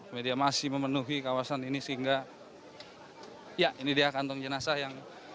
media masih memenuhi kawasan ini sehingga ya ini dia kantong jenazah yang